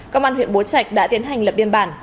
công an huyện bố trạch đã tiến hành lập biên bản